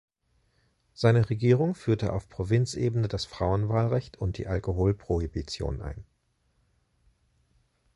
Seine Regierung führte auf Provinzebene das Frauenwahlrecht und die Alkoholprohibition ein.